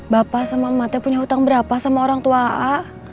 bapak sama emaknya punya hutang berapa sama orang tua a a